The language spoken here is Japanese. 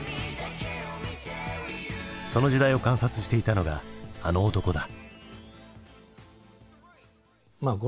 その時代を観察していたのがあの男だ。